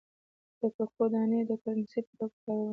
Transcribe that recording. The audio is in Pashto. د ککو دانې د کرنسۍ په توګه کارولې.